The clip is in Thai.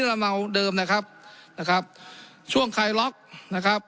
เราเมาเดิมนะครับนะครับช่วงคลายล็อกนะครับ